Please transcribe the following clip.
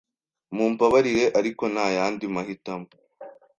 Mumbabarire, ariko ntayandi mahitamo.